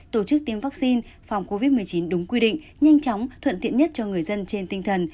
tổ chức tiêm vaccine phòng covid một mươi chín đúng quy định nhanh chóng thuận tiện nhất cho người dân trên tinh thần